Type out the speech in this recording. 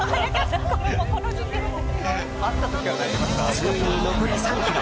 ついに残り３ｋｍ。